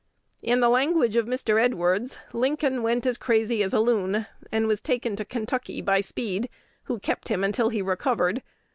'" In the language of Mr. Edwards, "Lincoln went as crazy as a loon," and was taken to Kentucky by Speed, who kept him "until he recovered."